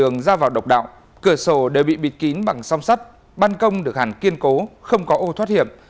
nếu bị bịt kín bằng song sắt ban công được hàn kiên cố không có ô thoát hiểm